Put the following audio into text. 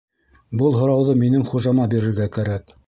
— Был һорауҙы минең хужама бирергә кәрәк!